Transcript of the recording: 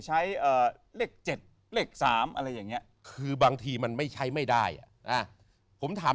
เลข๗เลข๓อะไรอย่างนี้คือบางทีมันไม่ใช้ไม่ได้อ่ะนะผมถาม